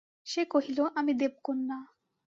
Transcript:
সে কহিল, আমি দেবকন্যা।